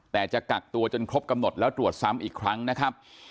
แต่จะกักตัวจนครบกำหนดแล้วตรวจซ้ำอีกครั้งนะครับ